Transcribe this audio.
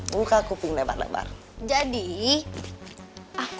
buat bebek melmel ya emak